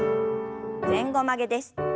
前後曲げです。